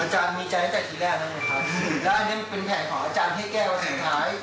อาจารย์มีใจแค่ทีแรกในหัวนะครับ